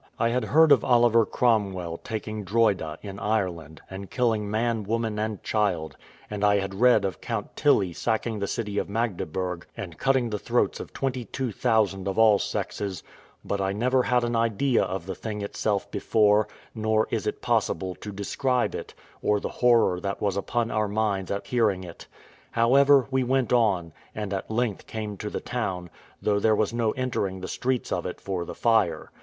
I had heard of Oliver Cromwell taking Drogheda, in Ireland, and killing man, woman, and child; and I had read of Count Tilly sacking the city of Magdeburg and cutting the throats of twenty two thousand of all sexes; but I never had an idea of the thing itself before, nor is it possible to describe it, or the horror that was upon our minds at hearing it. However, we went on, and at length came to the town, though there was no entering the streets of it for the fire.